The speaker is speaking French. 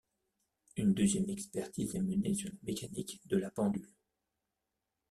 Une deuxième expertise est menée sur la mécanique de la pendule.